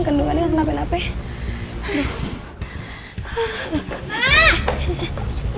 kendungannya nggak kenape nape